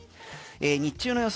日中の予想